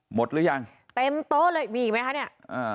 หรือยังเต็มโต๊ะเลยมีอีกไหมคะเนี่ยอ่า